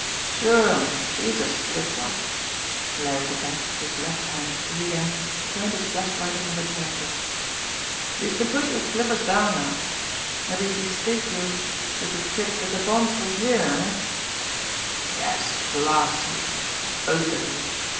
"Sure, she's a slick one!" Larry the Bat, his left hand free again, turned his flashlight upon the detective. "Youse can put yer flippers down now. Mabbe she staked youse ter de tip dat de bonds was here, eh?" "Yes, blast you both of you!"